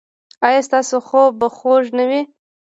ایا ستاسو خوب به خوږ نه وي؟